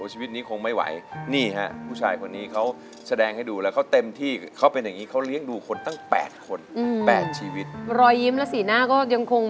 ชีวิตนี้คงไม่ไหวนี่ฮะผู้ชายคนนี้เขาแสดงให้ดูแล้วเขาเต็มที่เขาเป็นอย่างนี้เขาเลี้ยงดูคนตั้ง๘คน๘ชีวิตรอยยิ้มและสีหน้าก็ยังคง